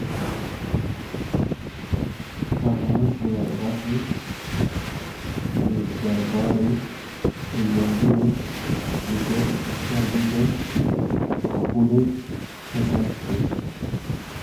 Parlamentoya Iraqê di derbarê peywendiyên li gel Îsraîlê de qanûnek pesend kir.